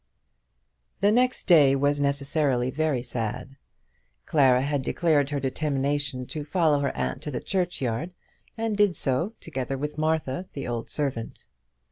The next day was necessarily very sad. Clara had declared her determination to follow her aunt to the churchyard, and did so, together with Martha, the old servant.